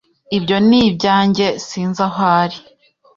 Ibyo ni ibyanjye. Sinzi aho ari.